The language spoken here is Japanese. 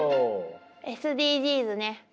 「ＳＤＧｓ」ね。